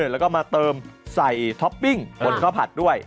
แล้วก็มาเติมใส่ท็อปปิ้งบนข้าวผัดด้วย